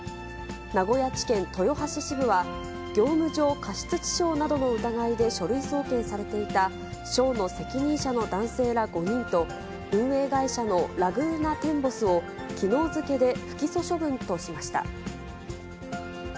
名古屋地検豊橋支部は、業務上過失致傷などの疑いで書類送検されていた、ショーの責任者の男性ら５人と、運営会社のラグーナテンボスをきのう付けで不起訴処分としました。